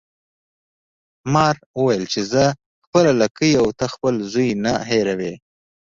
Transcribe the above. مار وویل چې زه خپله لکۍ او ته خپل زوی نه هیروي.